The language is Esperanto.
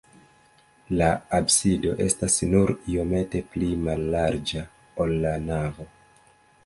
La absido estas nur iomete pli mallarĝa, ol la navo.